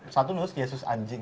satu nulis yesus anjing